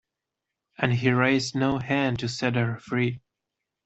And he raised no hand to set her free.